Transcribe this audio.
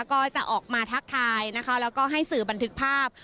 ก็จะออกมาทักทายนะคะแล้วก็ให้สื่อบันทึกภาพ